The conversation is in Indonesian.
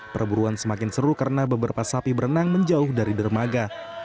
perburuan semakin seru karena beberapa sapi berenang menjauh dari dermaga